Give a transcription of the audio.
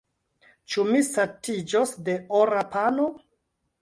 Ĉu mi satiĝos de ora pano?